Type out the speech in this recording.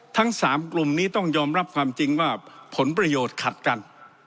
ทั้ง๓กลุ่มนี้ต้องยอมรับความจริงว่าผลประโยชน์ขัดกัน